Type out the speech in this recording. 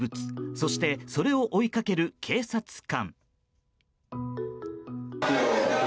そしてそれを追いかける警察官。